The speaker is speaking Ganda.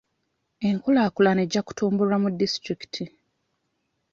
Enkulaakulana ejja kutumbulwa mu disitulikiti.